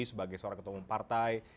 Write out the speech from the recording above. sebagai seorang ketua umum partai